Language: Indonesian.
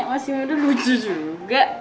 nya masih muda lucu juga